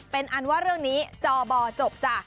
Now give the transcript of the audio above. เป็นอันว่าเรื่องนี้จบจ้ะ